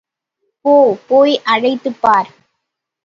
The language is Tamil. போ போய் அழைத்துப் பார்!